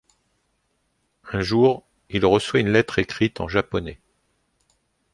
Un jour, il reçoit une lettre écrite en japonais.